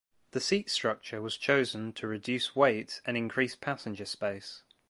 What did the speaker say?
The seat structure was chosen to reduce weight and increase passenger space.